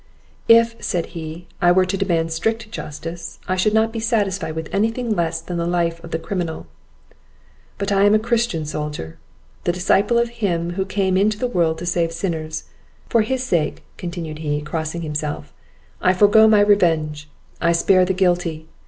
"If," said he, "I were to demand strict justice, I should not be satisfied with any thing less than the life of the criminal; but I am a Christian soldier, the disciple of Him who came into the world to save sinners; for His sake," continued he, crossing himself, "I forego my revenge, I spare the guilty.